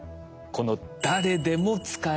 この「誰でも使える」